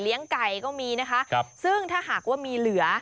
ไก่ก็มีนะคะซึ่งถ้าหากว่ามีเหลือ